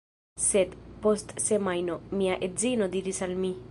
Sed, post semajno, mia edzino diris al mi: